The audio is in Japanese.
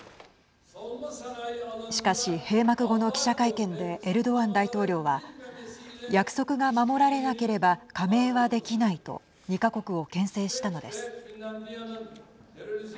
しかし、閉幕後の記者会見でエルドアン大統領は約束が守られなければ加盟はできないと２か国をけん制したのです。